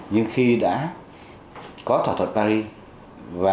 nhưng khi đã có thỏa thuận paris